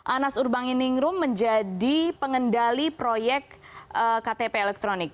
anas urbaningrum menjadi pengendali proyek ktp elektronik